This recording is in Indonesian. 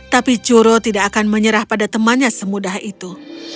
tapi churo tidak akan menyerah pada temannya semudah itu